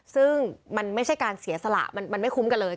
ซึ่งมันไม่ใช่การเสียสละมันไม่คุ้มกันเลย